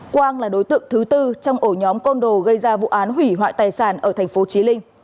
quang là đối tượng thứ tư trong ổ nhóm con đồ gây ra vụ án hủy hoại tài sản ở tp chí linh